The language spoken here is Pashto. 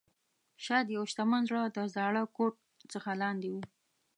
شاید یو شتمن زړه د زاړه کوټ څخه لاندې وي.